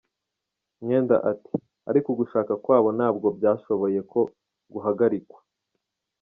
Mwenda ati “Ariko ugushaka kwabo ntabwo byashoboye ko guhagarikwa.